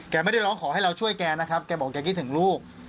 ไม่ได้ร้องขอให้เราช่วยแกนะครับแกบอกแกคิดถึงลูก